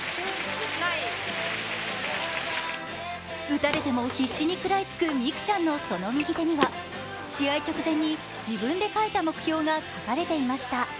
打たれても必死に食らいつく、美空ちゃんのその右手には、試合直前に自分で書いた目標が書かれていました。